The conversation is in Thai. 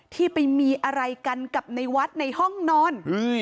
ที่ไปมีอะไรกันกับในวัดในห้องนอน